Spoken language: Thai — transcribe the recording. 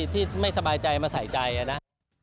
ที่ไม่สบายใจมาใส่ใจนะ